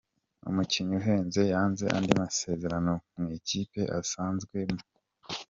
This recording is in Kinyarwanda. Umukinnyi uhenze yanze andi masezerano mwikipe asanzwe mo